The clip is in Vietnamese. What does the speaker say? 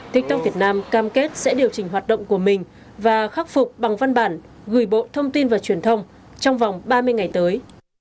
tiktok việt nam cam kết sẽ điều chỉnh hoạt động của mình và khắc phục bằng văn bản gửi bộ thông tin và truyền thông trong vòng ba mươi ngày tới